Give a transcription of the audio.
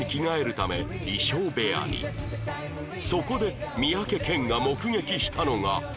そこで三宅健が目撃したのが